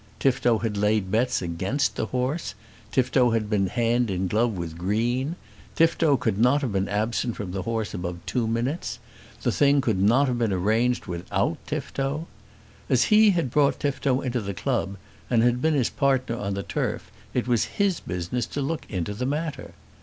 Tifto had laid bets against the horse; Tifto had been hand and glove with Green; Tifto could not have been absent from the horse above two minutes; the thing could not have been arranged without Tifto. As he had brought Tifto into the club, and had been his partner on the turf, it was his business to look into the matter.